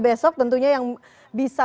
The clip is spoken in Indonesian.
besok tentunya yang bisa